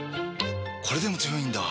これでも強いんだ！